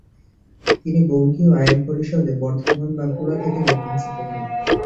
তিনি বঙ্গীয় আইন পরিষদে বর্ধমান-বাঁকুড়া থেকে নির্বাচিত হন।